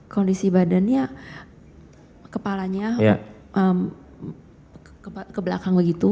kondisi badannya kepalanya ke belakang begitu